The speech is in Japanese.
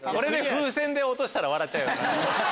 風船で落としたら笑っちゃうよな。